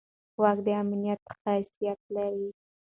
واک د امانت حیثیت لري